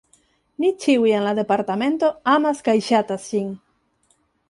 Ni ĉiuj en la Departemento amas kaj ŝatas ŝin.